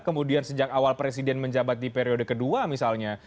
kemudian sejak awal presiden menjabat di periode kedua misalnya